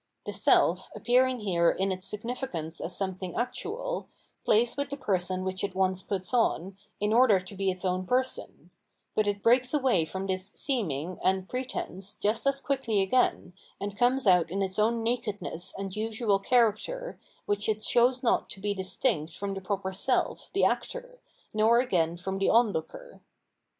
The self, appearing here in its significance as something actual, plays with the mask which it once puts on, in order to be its own person ; but it breaks away from this seeming and pretence just as quickly again, and comes out in its own naked ness and usual character, which it shows not to be distinct from the proper self, the actor, nor again from the onlooker.